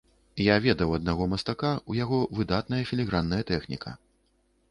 Я ведаў аднаго мастака, у яго выдатная філігранная тэхніка.